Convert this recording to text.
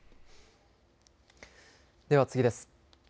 では次です。